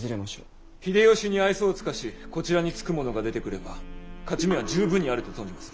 秀吉に愛想を尽かしこちらにつく者が出てくれば勝ち目は十分にあると存じまする。